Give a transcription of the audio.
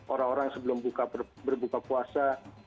orang orang sebelum berbuka puasa